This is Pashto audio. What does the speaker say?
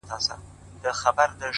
زما خوبـونو پــه واوښـتـل.!